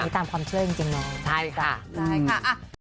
ตามความเชื่อจริงจริงน้องใช่ค่ะอืมอืมใช่ค่ะ